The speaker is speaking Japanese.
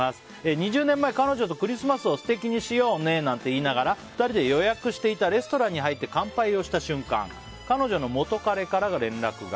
２０年前、彼女とクリスマスを素敵にしようねなんて言いながら２人で予約していたレストランに入って乾杯をした瞬間彼女の元カレから連絡が。